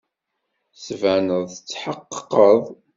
Tettbaneḍ tetḥeqqeqeḍ.